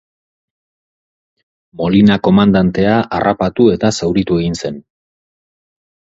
Molina komandantea harrapatu eta zauritu egin zen.